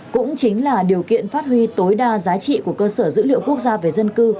cũng chính là điều kiện phát huy tối đa giá trị của cơ sở dữ liệu quốc gia về dân cư